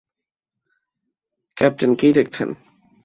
Captain, কি দেখছেন?